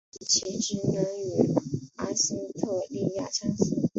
其职能与阿斯特莉亚相似。